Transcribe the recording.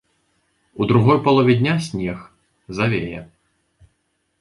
У другой палове дня снег, завея.